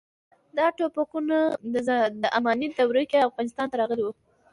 دا ټوپکونه د اماني دورې کې افغانستان ته راغلي وو.